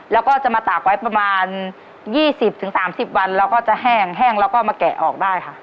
แล้วก็จะมาตากไว้ประมาณ๒๐๓๐วันแล้วก็จะแห้งแห้งแล้วก็มาแกะออกได้ค่ะ